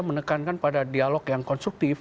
menekankan pada dialog yang konstruktif